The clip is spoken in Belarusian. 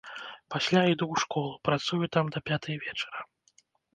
Пасля іду ў школу, працую там да пятай вечара.